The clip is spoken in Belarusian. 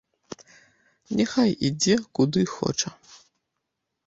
Няхай ідзе, куды хоча.